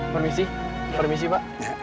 permisi permisi pak